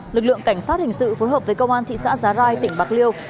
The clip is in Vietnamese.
lực lượng cảnh sát hình sự phối hợp với công an thị xã giá rai tỉnh bạc liêu